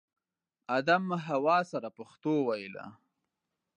ادم حوا سره پښتو ویله